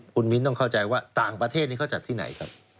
คุณมิ้นต้องเข้าใจว่าต่างประเทศนี้เขาจัดที่ไหนครับ